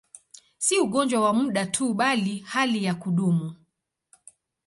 Si ugonjwa wa muda tu, bali hali ya kudumu.